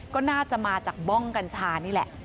ก็น่าจะมาจากบ้องกัญชานี่แหละ